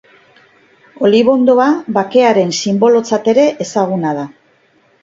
Olibondoa bakearen sinbolotzat ere ezaguna da.